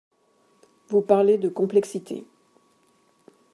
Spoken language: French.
Vous parlez de complexité.